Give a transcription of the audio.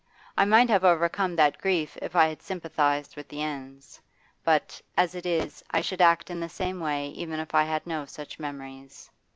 I might have overcome that grief if I had sympathised with the ends. But, as it is, I should act in the same way even if I had no such memories.